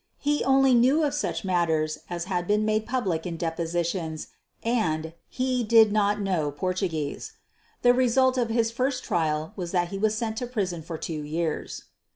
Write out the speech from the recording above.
He only knew of such matters as had been made public in depositions, and he did not know Portuguese. The result of his first trial was that he was sent to prison for two years.